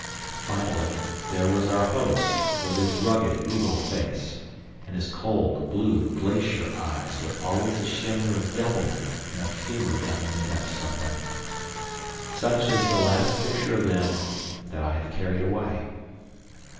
Finally, there was our host, with his rugged, eagle face, and his cold, blue, glacier eyes with always a shimmer of devilment and of humor down in the depths of them. Such is the last picture of them that I have carried away.